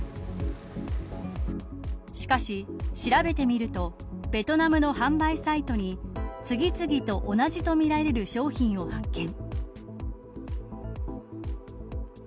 しかし、調べてみるとベトナムの販売サイトに次々と同じとみられる商品を発見。